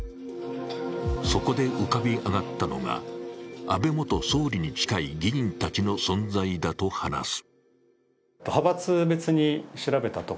そこで浮かび上がったのが、安倍元総理に近い議員たちの存在だと話す。